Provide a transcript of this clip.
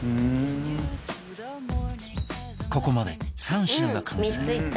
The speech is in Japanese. ここまで３品が完成